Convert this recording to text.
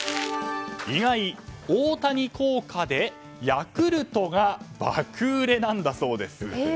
意外大谷効果でヤクルトが爆売れなんだそうです。